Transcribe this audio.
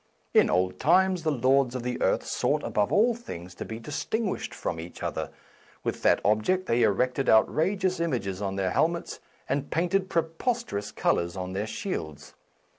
In old times the lords of the earth sought above all things to be dis A Defence of Slang tinguished from each other ; with that ob ject they erected outrageous images on their helmets and painted preposterous colours on their shields.